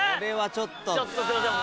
ちょっとすいません